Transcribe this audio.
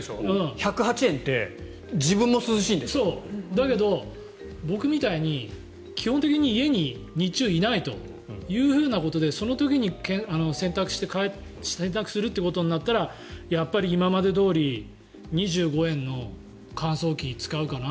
１０８円ってだけど僕みたいに基本的に家に日中いないということでその時に洗濯するということになったらやっぱり今までどおり２５円の乾燥機使うかな。